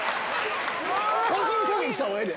個人攻撃したほうがええで。